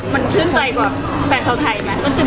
มันชื่นใจกว่าแฟนชาวไทยไหม